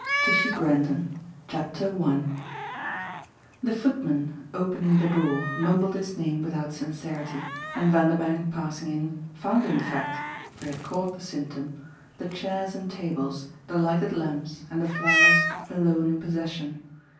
TISHY GRENDON I The footman, opening the door, mumbled his name without sincerity, and Vanderbank, passing in, found in fact for he had caught the symptom the chairs and tables, the lighted lamps and the flowers alone in possession.